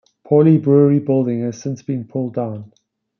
Pauli brewery building has since been pulled down.